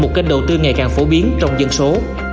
một kênh đầu tư ngày càng phổ biến trong dân số